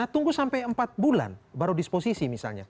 tunggu sampai empat bulan baru disposisi misalnya